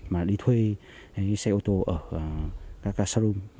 mà đi thuê xe ô tô ở các ca sâu rung